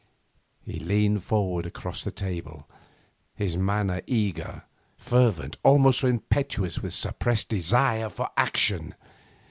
He leaned forward across the table, his manner eager, fervent, almost impetuous with suppressed desire for action.